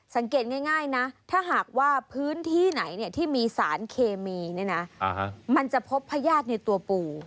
สังเกตง่ายนะถ้าหากว่าพื้นที่ไหนที่มีสารเคมีเนี่ยนะมันจะพบพญาติในตัวปู่